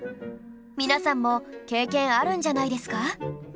皆さんも経験あるんじゃないですか？